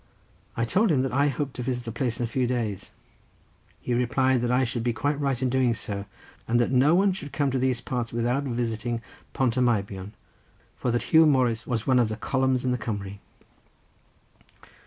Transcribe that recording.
I told him that I hoped to visit the place in a few days. He replied that I should be quite right in doing so, and that no one should come to these parts without visiting Pont y Meibion, for that Huw Morris was one of the columns of the Cumry.